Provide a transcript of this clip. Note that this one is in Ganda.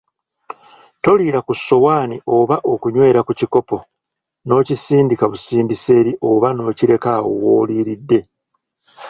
Toliira ku ssowaani oba okunywera ku kikopo n‘okisindika busindisi eri oba n‘okireka awo w‘oliiridde.